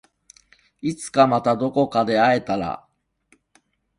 いつかまたどこかで会えたら